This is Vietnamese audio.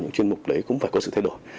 những chuyên mục đấy cũng phải có sự thay đổi